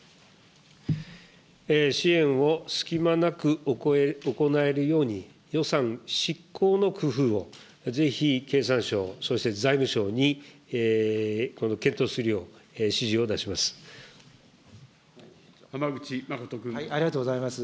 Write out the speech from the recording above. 支援を隙間なく行えるように、予算執行の工夫を、ぜひ経産省、そして財務省に検討するよう、指示を出します。